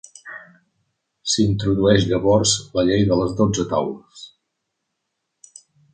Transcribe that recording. S'introdueix llavors la Llei de les Dotze Taules.